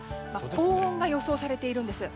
高温が予想されているんです。